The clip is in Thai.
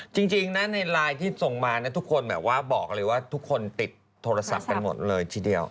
จริงนะในไลน์ที่ส่งมาทุกคนแบบว่าบอกเลยว่าทุกคนติดโทรศัพท์กันหมดเลยทีเดียว